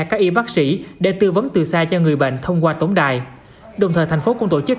các y bác sĩ để tư vấn từ xa cho người bệnh thông qua tổng đài đồng thời thành phố cũng tổ chức